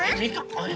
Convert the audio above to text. あれ。